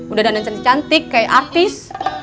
udah dandan cantik cantik kayak artis